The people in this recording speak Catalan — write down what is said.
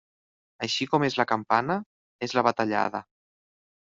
Així com és la campana, és la batallada.